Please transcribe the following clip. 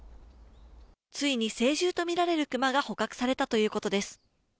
ついに成獣と見られる熊が捕獲されたということです。